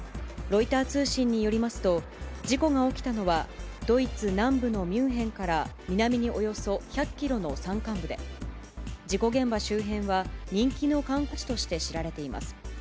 ロイター通信によりますと、事故が起きたのは、ドイツ南部のミュンヘンから南におよそ１００キロの山間部で、事故現場周辺は、人気の観光地として知られています。